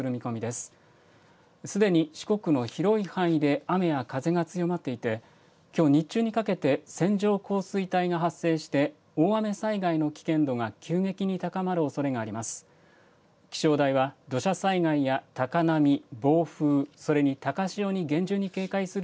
すでに四国の広い範囲で雨や風が強まっていて、きょう日中にかけて線状降水帯が発生して、大雨災害の危険度が急激に高まるおそれがあります。